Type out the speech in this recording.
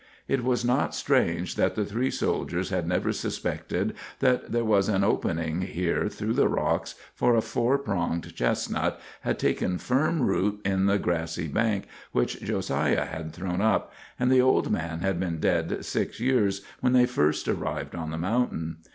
It was not strange that the three soldiers had never suspected that there was an opening here through the rocks, for a four pronged chestnut had taken firm root in the grassy bank which Josiah had thrown up, and the old man had been dead six years when they first arrived on the mountain.